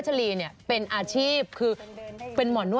สวัสดีค่ะสวัสดีค่ะ